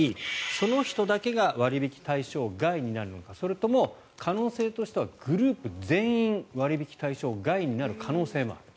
その人だけが割引対象外になるのかそれとも可能性としてはグループ全員、割引対象外になる可能性もある。